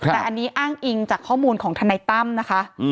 แต่อันนี้อ้างอิงจากข้อมูลของทนายตั้มนะคะ